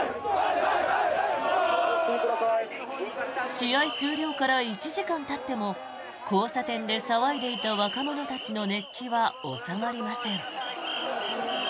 試合終了から１時間たっても交差点で騒いでいた若者たちの熱気は収まりません。